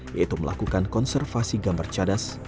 yaitu melakukan konservasi gambar cadas